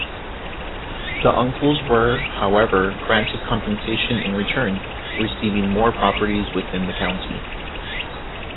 The uncles were, however granted compensation in return, receiving more properties within the County.